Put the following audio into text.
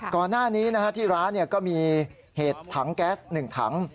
ก่อนหน้านี้ที่ร้านก็มีเหตุถังแก๊ส๑ถัง